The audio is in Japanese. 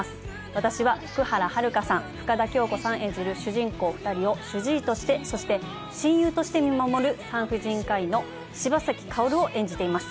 私は福原遥さん深田恭子さん演じる主人公２人を主治医としてそして親友として見守る産婦人科医の柴崎薫を演じています